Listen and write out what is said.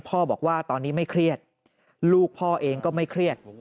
บอกว่าตอนนี้ไม่เครียดลูกพ่อเองก็ไม่เครียด